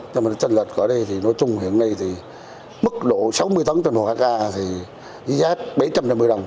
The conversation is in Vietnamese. nhưng mà tranh lệch ở đây thì nói chung hiện nay thì mức độ sáu mươi tấn trên một ha thì giá bảy trăm năm mươi đồng